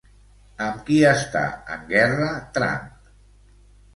Amb qui està en guerra Trump?